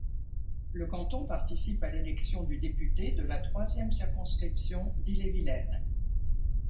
Le canton participe à l'élection du député de la troisième circonscription d'Ille-et-Vilaine.